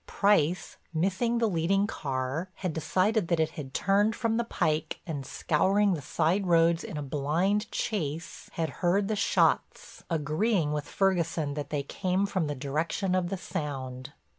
Price, missing the leading car, had decided that it had turned from the pike and scouring the side roads in a blind chase had heard the shots, agreeing with Ferguson that they came from the direction of the Sound.